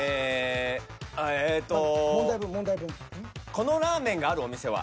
このラーメンがあるお店は？